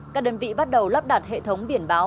các đơn vị bắt đầu lắp đặt hệ thống biển báo